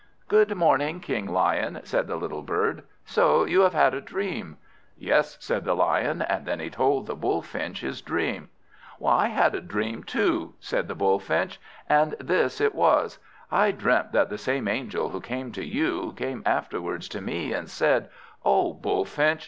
"Good morning, King Lion," said the little bird. "So you have had a dream?" "Yes," said the Lion, and then he told the Bullfinch his dream. "I had a dream too," said the Bullfinch, "and this it was. I dreamt that the same angel who came to you, came afterwards to me, and said, 'O Bullfinch!